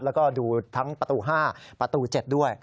แล้วก็ดูทั้งประตู๕ประตู๗ด้วย